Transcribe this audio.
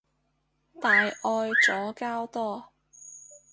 大愛左膠多